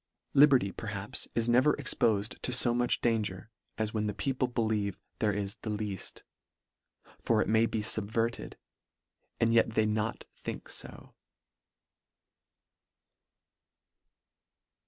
Liberty, perhaps, is ne ver expofed to fo much danger, as when the people believe there is the leaft ; for it may be fubverted, and yet they not think fo.